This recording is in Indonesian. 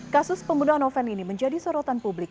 kasus pembunuhan noven ini menjadi sorotan publik